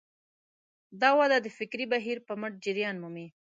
دا وده د فکري بهیر په مټ جریان مومي.